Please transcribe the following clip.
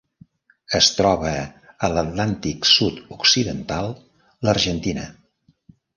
Es troba a l'Atlàntic sud-occidental: l'Argentina.